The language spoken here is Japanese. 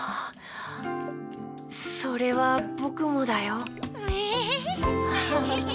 それはぼくもだよ。